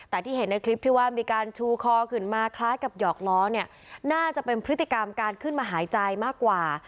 แต่ที่เห็นในคลิปที่ว่ามีการชูคอขึ้นมาคล้ายกับหยอกล้อเนี่ยน่าจะเป็นพฤติกรรมการขึ้นมาหายใจมากกว่า